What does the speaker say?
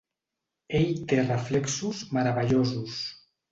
Ell té reflexos meravellosos.